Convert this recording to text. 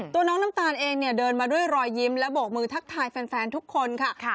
ตัวน้องน้ำตาลเองเนี่ยเดินมาด้วยรอยยิ้มและโบกมือทักทายแฟนทุกคนค่ะ